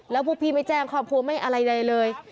แล้วพวกพี่ไม่แจ้งความความความไม่อะไรใดเลย